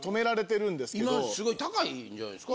今すごい高いんじゃないですか？